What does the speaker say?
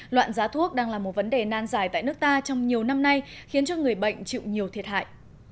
loạn giá thuốc đang là một vấn đề nan dài tại nước ta trong nhiều năm nay khiến cho người bệnh chịu nhiều thiệt hại